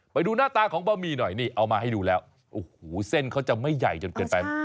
ไปดูหน้าตาของบะหมี่หน่อยนี่เอามาให้ดูแล้วโอ้โหเส้นเขาจะไม่ใหญ่จนเกินไป